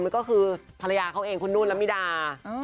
มันก็คือภรรยาเขาเองคุณนุ่นละมิดา